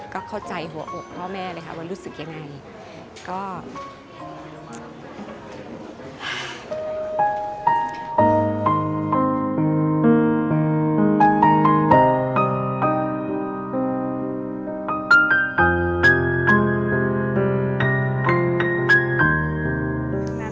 ก็เข้าใจหัวอกพ่อแม่เลยค่ะว่ารู้สึกยังไง